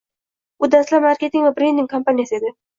u dastlab marketing va brending kompaniyasi edi.